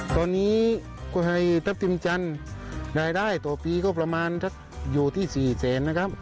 ตอนนี้ก็ให้ทัพทิมจันทร์รายได้ต่อปีก็ประมาณอยู่ที่๔แสนนะครับ